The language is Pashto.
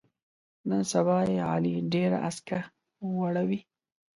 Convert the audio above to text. نن سبا یې علي ډېره اسکه وړوي.